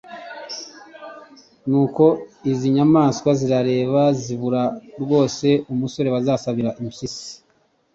nuko izi nyamaswa zirareba zibura rwose umusore bazasabira iyo mpyisi